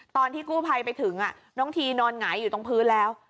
ตอนที่กู้ภัยไปถึงน้องทีนอนหงายอยู่ตรงพื้นแล้ว